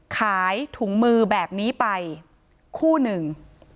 ขายถุงมือแบบนี้ไปคู่หนึ่ง